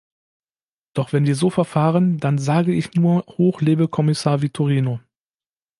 Doch wenn wir so verfahren, dann sage ich nur, hoch lebe Kommissar Vitorino!